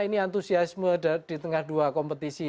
ini antusiasme di tengah dua kompetisi